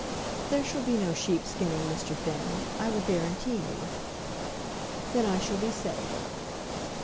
"There shall be no sheep skinning, Mr. Finn. I will guarantee you." "Then I shall be safe."